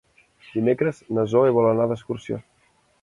Dimecres na Zoè vol anar d'excursió.